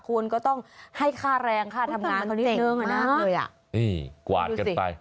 คุณก็ต้องให้ค่าแรงค่าทำงานเขานิดนึงอ่ะนะนี่กวาดกันไป